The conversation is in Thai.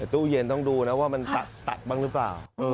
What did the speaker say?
ตู้เย็นต้องดูนะว่ามันตัดบ้างหรือเปล่า